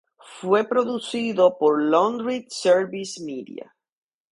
Fue producido por Laundry Service Media.